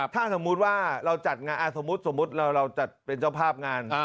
ถ้าสมมุติว่าเราจัดงานสมมุติเราจัดเป็นเจ้าภาพงาน